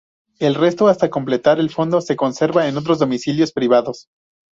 El resto, hasta completar el fondo, se conserva en otros domicilios privados.